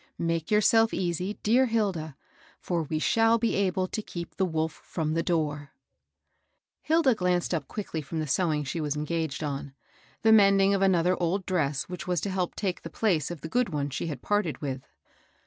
Make your self easy, dear Hilda, for we shall be able to keep the * wolf firom the door 1 *" Hilda glanced up quickly firom the sewing she was engaged on, — the mending of another old MR. PINCH AND COMPANY. 878 dress which was to help take the place of the good one she had parted with.